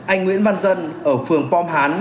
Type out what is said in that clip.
anh nguyễn văn dân ở phường pom hán